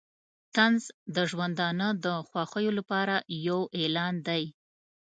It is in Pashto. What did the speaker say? طنز د ژوندانه د خوښیو لپاره یو اعلان دی.